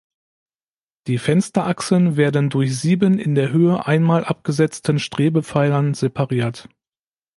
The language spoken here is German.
Die Fensterachsen werden durch sieben in der Höhe einmal abgesetzten Strebepfeilern separiert.